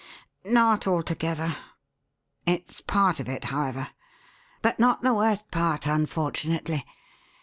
"Not altogether. It's part of it, however. But not the worst part, unfortunately.